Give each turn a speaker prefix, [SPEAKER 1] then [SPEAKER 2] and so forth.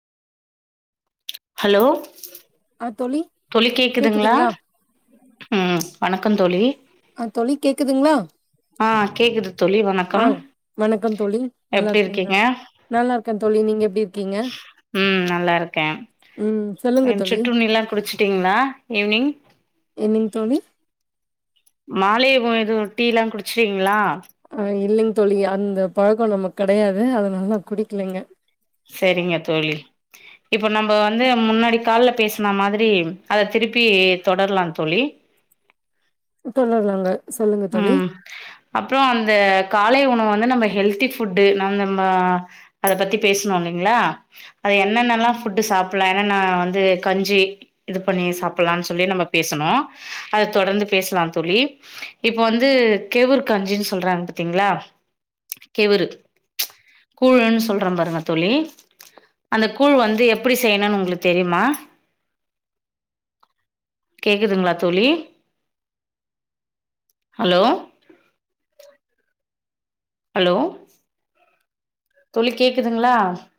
[SPEAKER 1] hello
[SPEAKER 2] ஆ தோழி
[SPEAKER 1] தோழி கேக்குதுங்ளா
[SPEAKER 2] கேக்குதுங்களா
[SPEAKER 1] உம் வணக்கம் தோழி
[SPEAKER 2] ஆ தோழி கேக்குதுங்களா
[SPEAKER 1] ஆஹ் கேக்குது தோழி வணக்
[SPEAKER 2] ஆஹ் வணக்கம் தோழி நல்லா இருக்கீங்க நல்லா இருக்க தோழி நீங்க எப்டி இருக்கீங்க உம்
[SPEAKER 1] [unintelligible] சுற்றுண்ணி எல்லாம் குடிச்சிட்டீங்களா ஈவ்னிங்
[SPEAKER 2] என்னங்க தோழி
[SPEAKER 1] மாலை உணது டீல்லாம் குடுச்சுடீங்ளா
[SPEAKER 2] ஆஹ் [unintelligible] இல்லைங் தோழி அந்த பழக்கம் நம்மக்கு கெடையாது அதுனால குடிக்கலிங்க
[SPEAKER 1] சரிங்க தோழி இப்ப நம்ம வந்து முன்னாடி கால்ல பேசன மாதிரி அத திருப்பி தொடரலான் தோழி
[SPEAKER 2] தொடர்லாங்க
[SPEAKER 1] உம் அப்புறோ அந்த காலை உணவு வந்து நம்ம ஹெல்த் ஹெல்தி ஃபுட் நம்ம அத பத்தி பேசனு இல்லைங்களா அத என்னன்னல்லாம் ‌‌ஃபுட்டு சாப்பலாம் என்னன்ன வந்து கஞ்சி இது பண்ணி சாப்டலாம் சொல்லி நம்ம பேசுனோம் அத தொடர்ந்து பேசலாம் தோழி இப்போ வந்து கெவுரு கஞ்சி சொல்றாங்க பாத்தீங்களா கெவுரு ச் கூழ்லுனு சொல்றோ பாருங்க தோழி அந்த கூழ் வந்து எப்டி செய்யணும்னு உங்களுக்கு தெரியுமா கேக்குதுங்களா தோழி ஹலோ ஹலோ தோழி கேக்குதுங்ளா